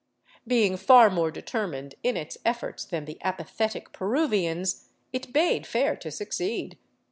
Being far more determined in its efforts than the apathetic Peruvians, it bade fair to succeed.